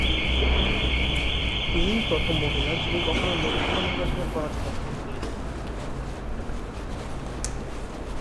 তিনিই প্রথম মহিলা যিনি কখনো লোকসভা নির্বাচনে পরাজিত হন নি।